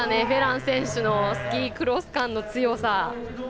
フェラン選手のスキークロス勘の強さ。